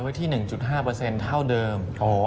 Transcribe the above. ไว้ที่๑๕เท่าเดิม